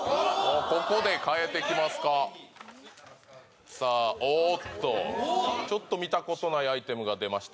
ここで変えてきますかさあおっとちょっと見たことないアイテムが出ました